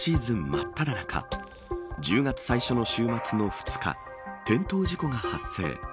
まっただ中１０月最初の週末の２日転倒事故が発生。